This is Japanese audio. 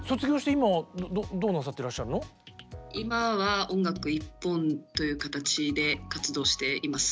今は音楽一本という形で活動しています。